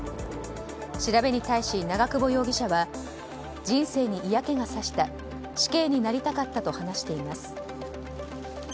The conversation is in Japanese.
調べに対し、長久保容疑者は人生に嫌気が差した死刑になりたかったと話しています。